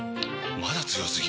まだ強すぎ？！